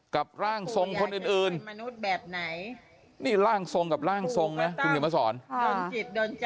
กับร่างทรงคนอื่นนี่ร่างทรงกับร่างทรงนะคุณเห็นประสอร์น